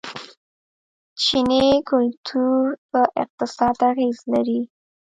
چیني کلتور په اقتصاد اغیز لري.